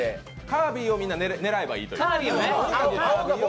カービィをみんな狙えばいいと。